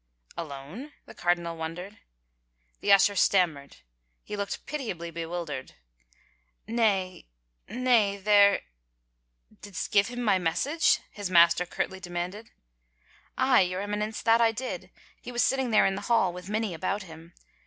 "Alone?" the cardinal wondered. The usher stammered. He looked pitiably bewildered. " Nay — nay — there —"" Didst give him my message ?" his master curtly demanded. " Aye, your Eminence, that I did. He was sitting there in the hall with many about him.